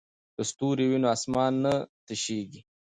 که ستوري وي نو اسمان نه تشیږي.